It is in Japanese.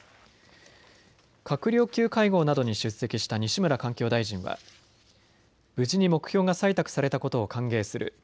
閣僚級会合などに出席した西村環境大臣は無事に目標が採択されたことを歓迎する。